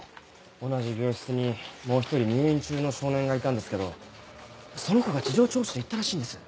同じ病室にもう１人入院中の少年がいたんですけどその子が事情聴取で言ったらしいんです。